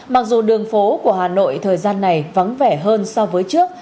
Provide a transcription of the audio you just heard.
mặc dù đường phố của hà nội thời gian này vắng vẻ hơn so với trước